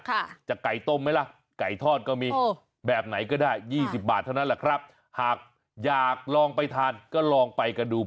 จะไก่ต้มไหมล่ะไก่ทอดก็มีแบบไหนก็ได้ยี่สิบบาทเท่านั้นแหละครับหากอยากลองไปทานก็ลองไปกันดู